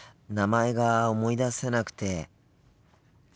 名前が思い出せなくて。